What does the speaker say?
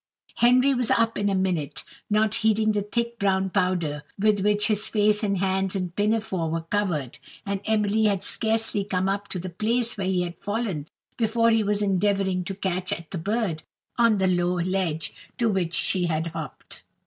Henry was up in a minute, not heeding the thick brown powder with which his face and hands and pinafore were covered; and Emily had scarcely come up to the place where he had fallen, before he was endeavouring to catch at the bird on the low ledge to which she had hopped.